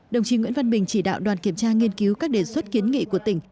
đồng chí nguyễn văn bình chỉ đạo đoàn kiểm tra nghiên cứu các đề xuất kiến nghị của tỉnh